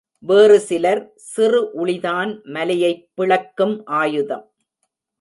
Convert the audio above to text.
வேறு சிலர், சிறு உளிதான் மலையைப் பிளக்கும் ஆயுதம்!